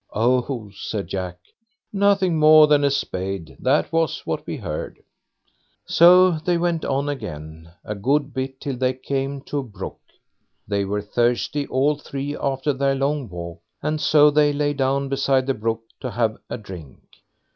"Oh,", said Jack, "nothing more than a spade; that was what we heard." So they went on again a good bit, till they came to a brook. They were thirsty, all three, after their long walk, and so they lay down beside the brook to have a drink.